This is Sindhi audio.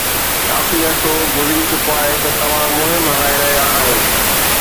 ڪافي عرصو گذري چڪو آهي ته توهان مهم هلائي رهيا آهيو